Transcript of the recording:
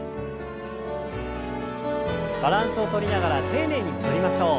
バランスをとりながら丁寧に戻りましょう。